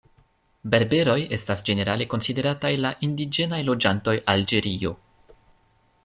Berberoj estas ĝenerale konsiderataj la indiĝenaj loĝantoj Alĝerio.